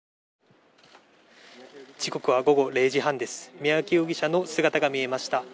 時刻は午後０時半です、三宅容疑者の姿が見えました。